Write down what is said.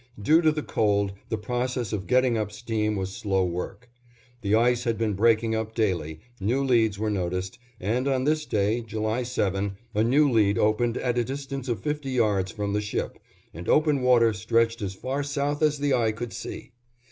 Due to the cold, the process of getting up steam was slow work. The ice had been breaking up daily, new leads were noticed, and on this day, July 7, a new lead opened at a distance of fifty yards from the ship, and open water stretched as far south as the eye could see.